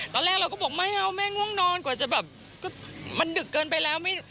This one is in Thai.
ตอนแรกเราก็บอกไม่เอาแม่ง่วงนอนกว่าจะแบบมันดึกเกินไปแล้ว